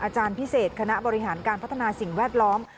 อาจารย์พิเศษคณะบริหารการพัฒนาสิ่งแวดล้อม